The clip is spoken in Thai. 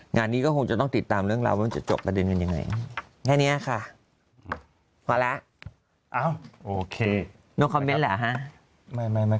งานนี้ก็คงจะต้องติดตามเรื่องราวว่ามันจะจบประเด็นกันอย่างไร